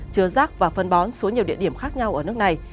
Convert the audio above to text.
chứa rác và phân bón xuống nhiều địa điểm khác nhau ở nước này